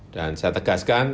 dan saya tegaskan